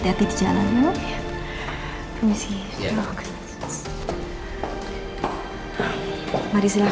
assalamualaikum selamat datang